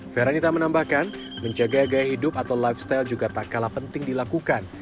veranita menambahkan menjaga gaya hidup atau lifestyle juga tak kalah penting dilakukan